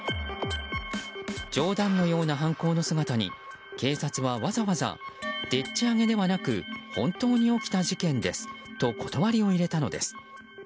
冗談のような犯行の姿に警察はわざわざでっち上げではなく本当に起きた事件ですと断りを入れたのです。